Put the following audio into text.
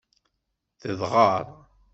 Tedɣer.